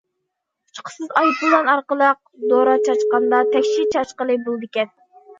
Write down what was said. ئۇچقۇچىسىز ئايروپىلان ئارقىلىق دورا چاچقاندا، تەكشى چاچقىلى بولىدىكەن.